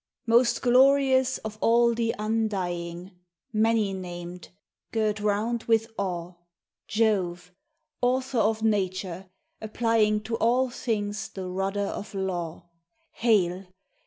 Most glorious of all the Undying, many named, girt round with awe! Jove, author of Nature, applying to all things the rudder of law — Hail!